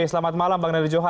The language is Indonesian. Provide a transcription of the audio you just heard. selamat malam bang daniel johan